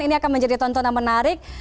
ini akan menjadi tontonan menarik